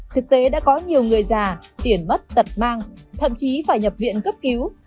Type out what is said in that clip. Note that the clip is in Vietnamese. thực tế đã có nhiều người già tiền mất tật mang thậm chí phải nhập viện cấp cứu